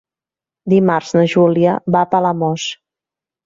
Dimarts na Júlia va a Palamós.